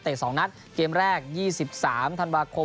๒นัดเกมแรก๒๓ธันวาคม